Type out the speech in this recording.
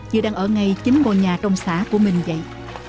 chị đang ở ngay chính ngôi nhà trong xã của mình vậy